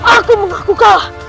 aku mengaku kalah